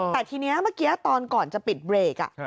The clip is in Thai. แต่ทีนี้เมื่อกี้ตอนก่อนจะปิดเบรก